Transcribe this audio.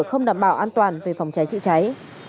không đảm bảo an toàn về phòng cháy chữa cháy